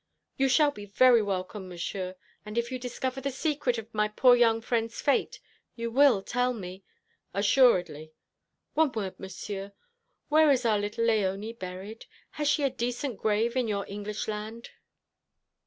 "You shall be very welcome, Monsieur. And if you discover the secret of my poor young friend's fate, you will tell me " "Assuredly." "One word, Monsieur. Where is our little Léonie buried? Has she a decent grave in your English land?"